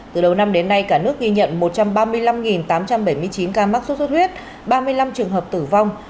từ đầu năm đến nay cả nước ghi nhận một trăm ba mươi năm tám trăm bảy mươi chín ca mắc sốt xuất huyết ba mươi năm trường hợp tử vong